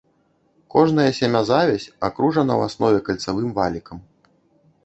Кожная семязавязь акружана ў аснове кальцавым валікам.